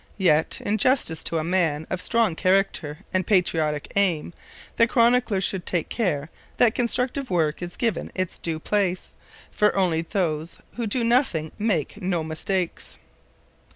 Yet, in justice to a man of strong character and patriotic aim, the chronicler should take care that constructive work is given its due place, for only those who do nothing make no mistakes.